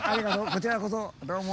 こちらこそどうも。